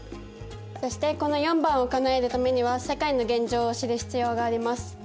そしてこの４番をかなえるためには世界の現状を知る必要があります。